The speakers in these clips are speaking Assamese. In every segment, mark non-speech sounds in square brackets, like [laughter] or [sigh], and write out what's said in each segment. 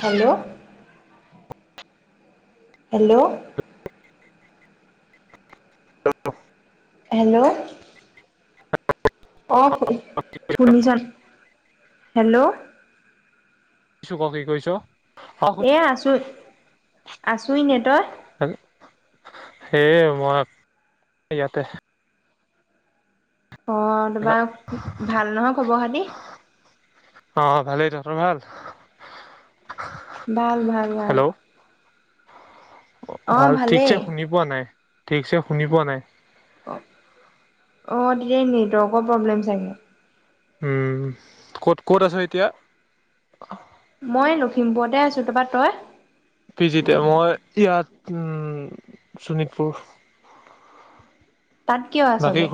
হেল্ল'উ হেল্ল'উ হেল্ল' উ অঁ শুনিছ হেল্ল'উ কিছো কি কৈছ এয়া আছো আছো ইনে তই সেই মই ইয়াতে অ তোমাৰ ভাল নহয় খবৰ খাতি অ ভালেই তহঁতৰ ভাল ভাল ভাল ভাল অ ভাল ঠিকছে শুনি পোৱা নাই ঠিকছে শুনি পোৱা নাই অ অ তেতিয়া নেটৱৰ্কৰ প্ৰব্লেম চাগে উম ক'ত ক'ত আছ এতিয়া মই লখিমপুৰতে আছোঁ তা পা তই উমম শোণিতপুৰ তাত কিয় বাকী আছগে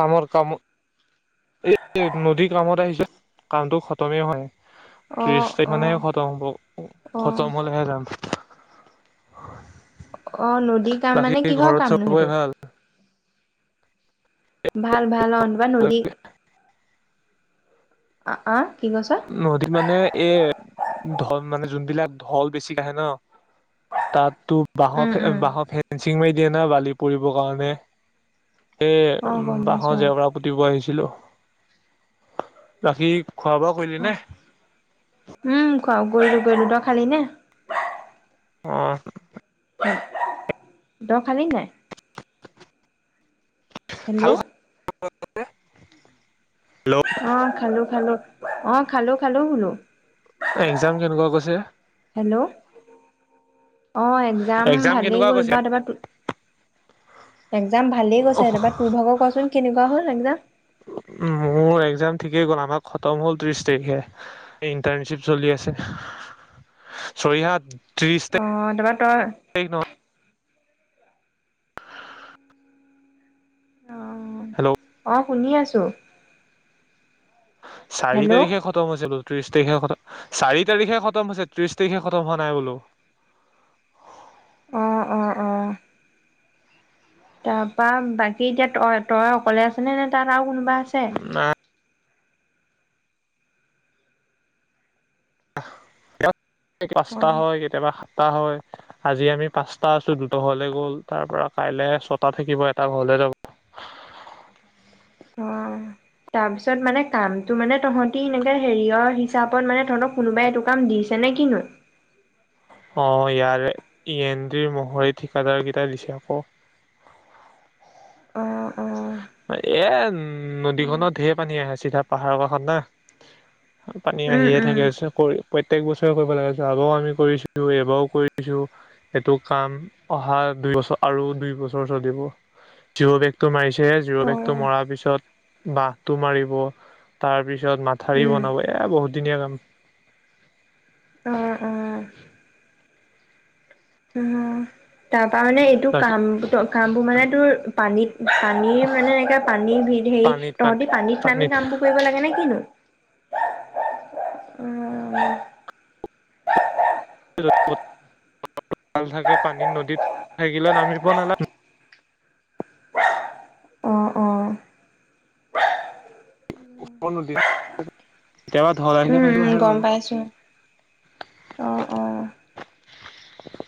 কামৰ কামৰ এই নদীৰ কামত আহিছে কামতটো খতমেই হয় অ ত্ৰিশ তাৰিখ অ মানে খতম হ'ব অ খতম হ'লে হে যাম অ নদীৰ কাম বাকী মানে কিহৰ ঘৰত কামনো চবৰে সেইটো ভাল ভাল ভাল অ কোনোবা নদী আ আ নদীত মানে এ ধল মানে যোনবিলাক ঢল বেছিকে আহে ন তাত তু বাহৰ উম ফে উম বাহ ফে চিঙ মাৰি দিয়ে ন বালি কৰিব কাৰণে সেই অ গম বাঁহৰ পাইছো অ জেওৰা পুতিব আহিছিলোঁ বাকী খোৱা বোৱা কৰিলি নে উম উম খুৱাও গৈ গৈ কিবা খালি নে অহ দ খালী নাই হেল্ল' খালো অ খালোঁ খালোঁ অ খালোঁ খালোঁ বোলোঁ একজাম কেনেকুৱা গৈছে হেল্ল' অ একজাম এক্জাম ভালেই কেনেকুৱা গ'ল গৈছে বা তা পা থেং। যাম ভালেই কৈছে তাৰপা তোৰ ভাগক কচোন কেনেকুৱা হ'ল এক যাম। মোৰ এক্জাম ঠিকেই গল আমাক খতম হ'ল ত্ৰিশ তাৰিখে ইণ্টাৰ্নশ্বিপ চলি আছে চৰিহাত। অহ তা পা তই। হেল্ল' অ অ শুনি আছোঁ। চাৰি তাৰিখে খতম হৈছিলো। ত্ৰিশ তাৰিখে খ চাৰি তাৰিখে খতম হৈছে ত্ৰিশ তাৰিখে খতম হোৱা নাই বোলো। আহ অ আহ। তাৰপা বাকী এতিয়া তই তই অকলে আছে নে নে তাত আৰু কোনোব। বা আছে। বোলো আহ। কচ্তা অ হয় কেতিয়াবা। হয় আজি আমি পাঁচটা আছো দুটা ঘৰলে গ'ল তাৰ পৰা কাইলে ছটা থাকিব এটা ঘৰলে যাব। অ তাৰপিছত মানে কামটো মানে তহঁতি এনেকে হেৰিয়ৰ হিচাপত মানে তহঁতক কোনোবাই এইটো কাম দিছে নে কিনো। অ ইয়াৰে ইয়ন্দড্ৰিৰ মহৰি ঠিকাদাৰকেইটা দিছে আকৌ। অঁ এ উম নদীখনত ঢেৰ পানী আহে চিধা পাহাৰৰ কাষত না। পানী উম, আহিয়ে উম, থাকে আছে কৰি। প্ৰত্যেক বছৰে কৰিব লা আগও আমি কৰিছো এবাৰও কৰিছো এইটো কাম অহা দুই বছৰ আৰু দুই বছৰ চলিব জিঅ বেগটো মাৰিছ। সে জোৰকেকটো অ', মৰাৰ পিছত বহটো মাৰিব তাৰ পিছত। পিছত মাথাউি উম, বনাব এ বহুত। দুনীয়ীয়াকম। অ', অ', উম তাৰপ। ত তাৰ মানে এইটো কাম কামবোৰ মানে তোৰ। পানীত। পানীৰ মানে এনেকে পানী হেৰি পানীত পানী তহঁতি পানীত নামি কাম বোৰ কৰিব লাগে নে কিনো। উম থাকে পানীত নদীত থাকিলে নামিব নালাগে। উম, কোবা ধৰা আহিল। উম গম পাইছো অ অ।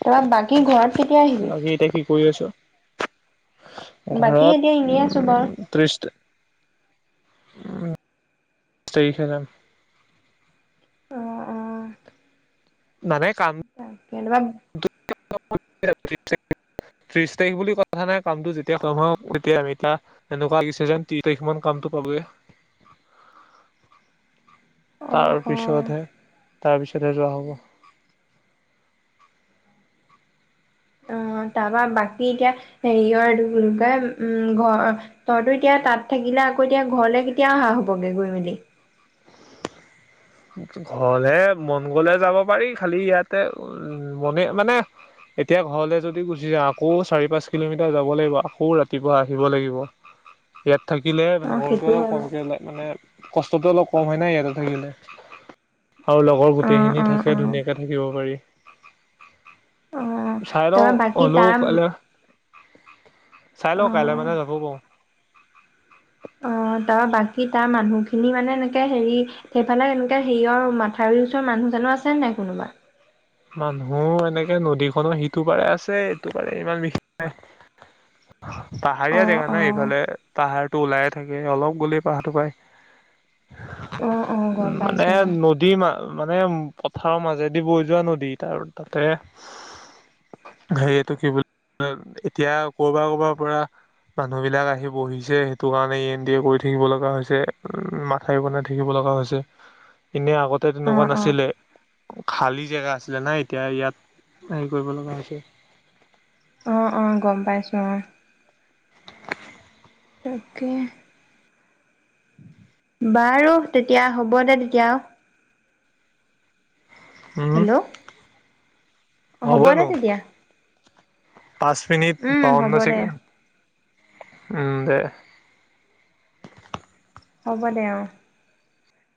তাৰপৰা বাকী ঘৰত কেতিয়া আহিবি। বাকী এতিয়া কি কৰি আছো। বাকী ঘৰত এতিয়া এনেই আছোঁ বাৰু। উ ত্ৰিশ। খ যাম। অ', অ', ইমানে কাম কেতিয়াবা ত্ৰিশ তাৰিখ বুলি কথা নাই কামটো যেতিয়া কম হ তেতিয়া আমি তাৰ এনেকুৱাছে যেন ত্ৰিশ তাৰিখ মান কামটো পাবয়ে অ', অ', তাৰপিছতহে তাৰপিছতহে যোৱা হব অ তাৰপৰা বাকী এতিয়া হেৰিয় এই উম ঘৰ তইতো এতিয়া তাত থাকিলে আকৌ এতিয়া ঘৰলে কেতিয়া অহা হবগে গৈ মেলি ঘৰলে মন গলে যাব পাৰি খালি ইয়াতে উ মনে মানে এতিয়া ঘৰলে যদি গুচি যা আকৌ চাৰি পাঁচ কিলোমিটাৰ যাব লাগিব আকৌ ৰাতিপুৱা আহিব লাগিব ইয়াত থাকি শিকিলে ঘৰ অ', দুৱাৰটো সেইটো অলপ হয় বাৰু কমকৈ ও মানে কষ্টটো অলপ কম হয় নাই ইয়াতে থাকিলে আৰু লগৰ অ', গোটেইখিনি অ', থাকে অ', ধুনীয়াকে থাকিব পাৰি অ', চাই লওঁ তাৰপা বাকী হলো তাৰ কাইলে [unintelligible] চাই লৈ কাইলৈ অ', মানে যাবও পাৰো অ তাৰ বাকী তাৰ মানুহখিনি মানে এনেকে হেৰি সেইফালে এনেকে হেৰি মাথাউৰি ওচৰত মানুহ মানুহ আছে নাই কোনোবা মানুহ এনেকে নদীখনো সিটো পাৰে আছে ইটো পাৰে ইমান বিশেষ নাই পাহাৰীয়া অ', জেগা অ', ইফালে পাহাৰ টো ওলাই থাকে অলপ গ'লেই পাহাৰটো পাই অ', অ', গম উম মানে পাইছোঁ নদী মা মা মানে উম পথাৰৰ মাজেদি বৈ যোৱা নদী নদীত আৰু তাতে হেৰিটো কি বুলি এতিয়া কৰবাৰ কৰবাৰ পৰা মানুহ বিলাক আহি বহিছে সেইটো কাৰণে ই এন দিয়ে কৰি থাকিব লগা হৈছে উ মাথাউ বনাই থাকিব লগা হৈছে এনে আগতে তেনেকুৱা অ', অ', নাছিলে। খালী জেগা আছি জানাই এতিয়া ইয়াত হেৰি কৰিব লগা হৈছে অ অ গম পাইছো অ তাকে বাৰু তেতিয়া হব দে তেতিয়া উম হেল্ল' হ'ব দে তেতিয়া পাঁচ মিনিট উম হ'ব দে ছেকেণ্ড টন উম দে হ'ব দে অ